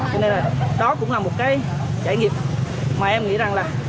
cho nên là đó cũng là một cái trải nghiệm mà em nghĩ rằng là